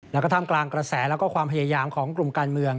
หนักธรรมกลางกระแสและความพยายามของกลุ่มการเมือง